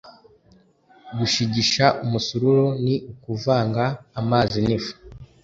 gushigisha umusururu ni ukuvanga amazi n'ifu